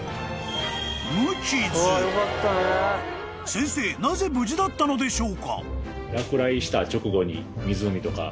［先生なぜ無事だったのでしょうか？］